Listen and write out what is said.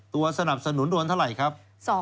สนับสนุนโดนเท่าไหร่ครับ